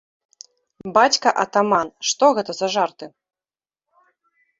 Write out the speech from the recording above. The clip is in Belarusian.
Бацька атаман, што гэта за жарты?!